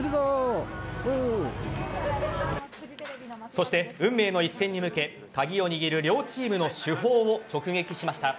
そして運命の一戦に向け鍵を握る両チームの主砲を直撃しました。